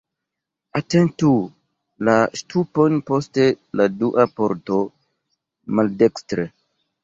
Atentu la ŝtupon post la dua pordo maldekstre.